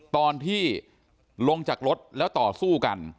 ตอนที่ลงจากรถแล้วต่อสู้กัน